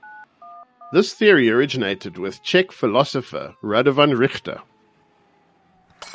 This theory originated with Czech philosopher Radovan Richta.